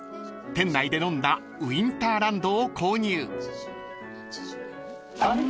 店内で飲んだウィンターランドを購入］